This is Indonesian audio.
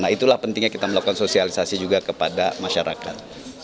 nah itulah pentingnya kita melakukan sosialisasi juga kepada masyarakat